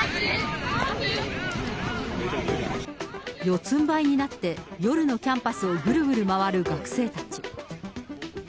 四つんばいになって、夜のキャンパスをぐるぐる回る学生たち。